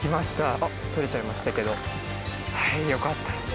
あっ取れちゃいましたけどはいよかったですね